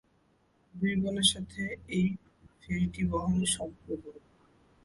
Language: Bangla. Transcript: তার দুই বোনের সাথে এই ফেরিটি বহরের সবচেয়ে বড়।